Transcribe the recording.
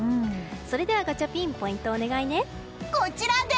それではガチャピンポイントをお願いね。